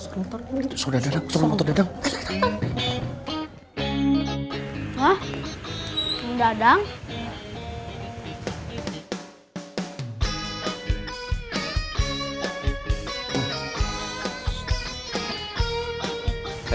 kuh ah cek ngomong apa sih kuh